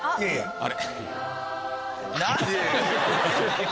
あれ。